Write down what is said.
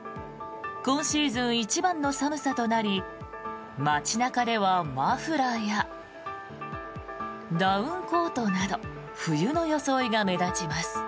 今シーズン一番の寒さとなり街中ではマフラーやダウンコートなど冬の装いが目立ちます。